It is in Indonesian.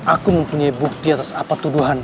aku mempunyai bukti atas apa tuduhan